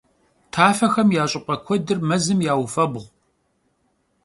Tafexem ya ş'ıp'e kuedır mezım yaufebğu.